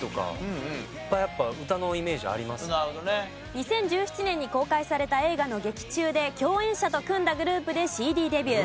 ２０１７年に公開された映画の劇中で共演者と組んだグループでＣＤデビュー。